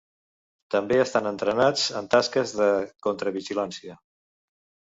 També estan entrenats en tasques de contra vigilància.